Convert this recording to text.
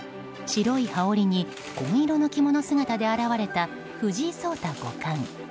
白い羽織に紺色の着物姿で現れた藤井聡太五冠。